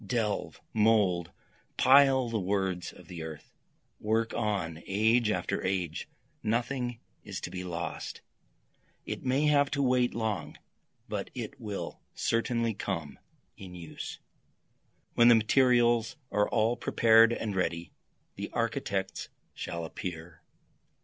Delve! mould! pile the words of the earth! Work on, age after age, nothing is to be lost, It may have to wait long, but it will certainly come in use, When the materials are all prepared and ready, the architects shall appear.